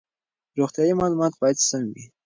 روغتیايي معلومات باید سم وي.